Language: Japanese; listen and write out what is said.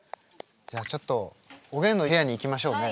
ちょっとおげんの部屋に行きましょうね。